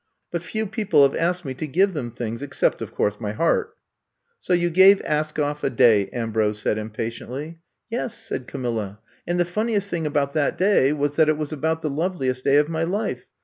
But few people have asked me to give them things, except, of course, my heart. '' So you gave Askoflf a day," Ambrose said impatiently. Yes," said Camilla. And the funni est thing about that day was that it was about the loveliest day of my life.